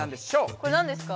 これなんですか？